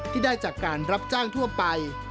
ที่ได้จากการรับจ้างทั่วไป